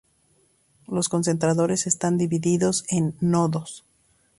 Los concentradores están divididos en nodos.